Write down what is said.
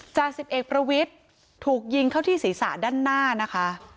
จ่าสิบเอกประวิทย์ถูกยิงเข้าที่ศีรษะด้านหน้านะคะ